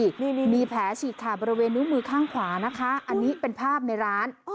นี่มีแผลฉีกขาดบริเวณนิ้วมือข้างขวานะคะอันนี้เป็นภาพในร้าน